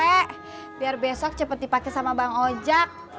agar besok cepet dipake sama bang ojak